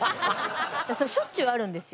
それしょっちゅうあるんですよ。